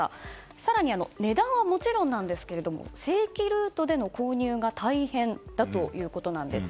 更に値段はもちろんですけれども正規ルートでの購入が大変だということなんです。